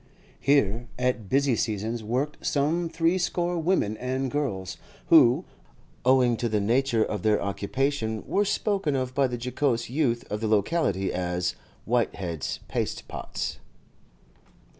Here at busy seasons worked some threescore women and girls, who, owing to the nature of their occupation, were spoken of by the jocose youth of the locality as 'Whitehead's pastepots.